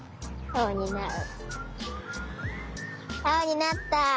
あおになった！